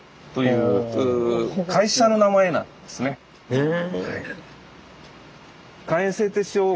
へえ。